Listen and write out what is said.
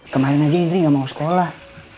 kemarin aja indri gak mau sekolah